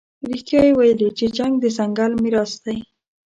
رښتیا یې ویلي چې جنګ د ځنګل میراث دی.